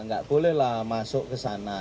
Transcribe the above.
nggak bolehlah masuk ke sana